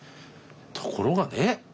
ところがねえ